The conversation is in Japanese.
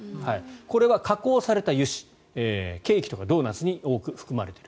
これは加工された油脂ケーキとかドーナツに多く含まれている。